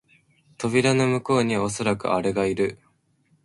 扉の向こうにはおそらくアレがある